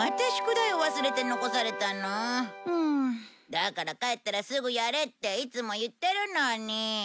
だから帰ったらすぐやれっていつも言ってるのに。